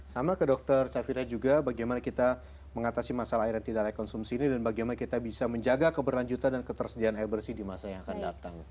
sama ke dokter safira juga bagaimana kita mengatasi masalah air yang tidak layak konsumsi ini dan bagaimana kita bisa menjaga keberlanjutan dan ketersediaan air bersih di masa yang akan datang